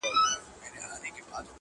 چي زړېږم مخ مي ولي د دعا پر لوري سم سي-